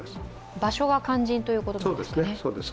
場所が肝心ということですね。